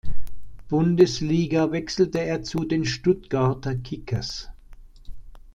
Bundesliga wechselte er zu den Stuttgarter Kickers.